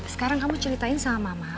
sekarang kamu ceritain sama mama